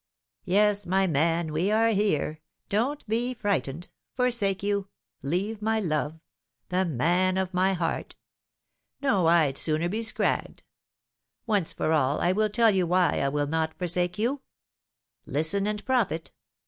"Yes, my man, we are here; don't be frightened. Forsake you! leave my love! the man of my heart! No, I'd sooner be 'scragged'! Once for all, I will tell you why I will not forsake you. Listen, and profit.